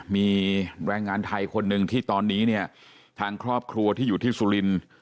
มีแรงงานไทยคนหนึ่งที่ตอนนี้เนี่ยทางครอบครัวที่อยู่ที่สุรินทร์